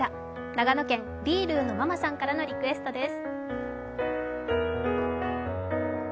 長野県、リールーのママさんからのリクエストです。